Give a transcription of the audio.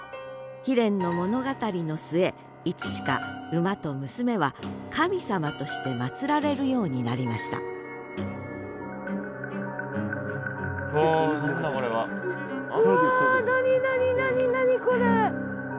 悲恋の物語の末いつしか馬と娘は神様として祭られるようになりましたうわ。